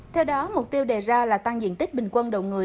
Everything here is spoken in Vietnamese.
theo đó mục tiêu đề ra là tăng diện tích bình quân đầu người